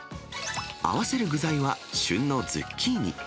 合わせる具材は旬のズッキーニ。